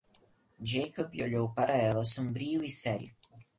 Jakob olhou para ela sombrio e sério.